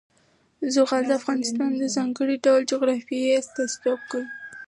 زغال د افغانستان د ځانګړي ډول جغرافیه استازیتوب کوي.